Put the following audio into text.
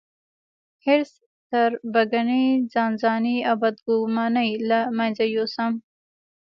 حرص، تربګني، ځانځاني او بدګوماني له منځه يوسم.